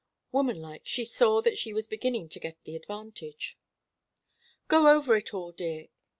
Woman like, she saw that she was beginning to get the advantage. "Go over it all, dear.